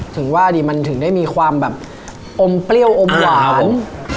ถึงว่าดิมันถึงได้มีความแบบอมเปรี้ยวอมหวานอ่านะครับผม